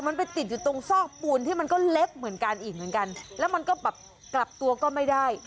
มันไปติดอยู่ตรงซอกปูนที่มันก็เล็กเหมือนกันอีกเหมือนกันแล้วมันก็แบบกลับตัวก็ไม่ได้